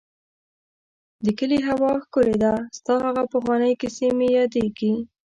د کلي هوا ښکلې ده ، ستا هغه پخوانی کيسې مې ياديږي.